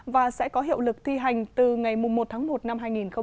và sẽ có hiệu lực thi hành từ ngày một tháng một năm hai nghìn hai mươi